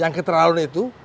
yang keterlaluan itu